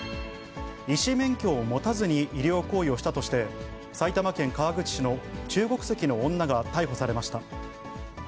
医師免許を持たずに医療行為をしたとして、埼玉県川口市の中国籍の女が逮捕されました。